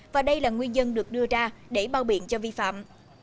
và đây là nguyên nhân được đưa ra để bao biện cho vi phạm